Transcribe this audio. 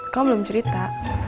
kamu belum cerita